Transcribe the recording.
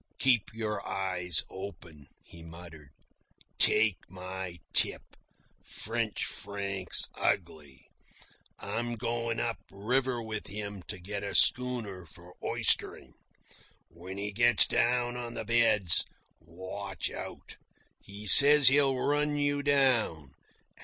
"Keep your eyes open," he muttered. "Take my tip. French Frank's ugly. I'm going up river with him to get a schooner for oystering. When he gets down on the beds, watch out. He says he'll run you down.